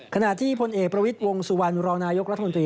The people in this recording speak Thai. ขณะที่พลเอกประวิทย์วงสุวรรณรองนายกรัฐมนตรี